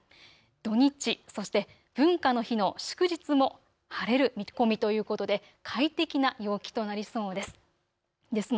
土日、そして文化の日の祝日も晴れる見込みということで快適な陽気となりそうです。